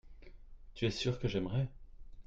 tu es sûr que j'aimerais.